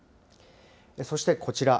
そして、こちら。